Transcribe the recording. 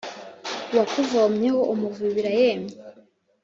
Uwakuvomyeho umuvubira yemye